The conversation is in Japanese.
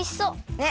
ねっ。